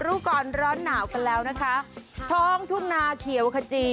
รู้ก่อนร้อนหนาวกันแล้วนะคะท้องทุ่งนาเขียวขจี